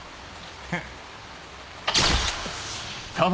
フッ。